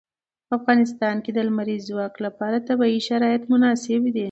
په افغانستان کې د لمریز ځواک لپاره طبیعي شرایط مناسب دي.